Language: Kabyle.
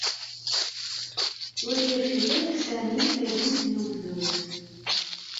Ur yerfid ara Sami tadimt n ubduz.